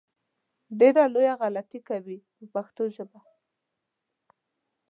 ډېره لویه غلطي کوي په پښتو ژبه.